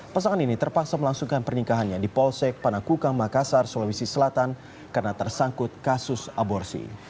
pasangan ini terpaksa melangsungkan pernikahannya di polsek panakukang makassar sulawesi selatan karena tersangkut kasus aborsi